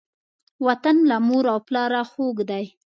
وطن له مور او پلاره خوږ دی.